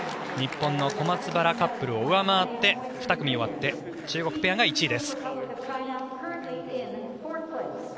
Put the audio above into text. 日本の小松原カップルを上回って２組終わって中国ペアが１位です。